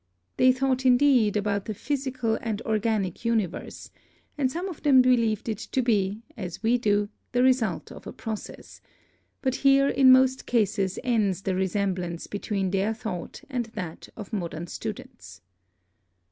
They thought, indeed, about the physical and organic universe, and some of them believed it to be, as we do, the result of a process ; but here in most cases ends the resemblance between their thought and that of modern students.